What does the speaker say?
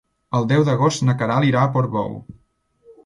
El deu d'agost na Queralt irà a Portbou.